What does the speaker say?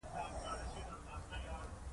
نوموړی یې پر پنځلس پونډه نغدي جریمې محکوم کړ.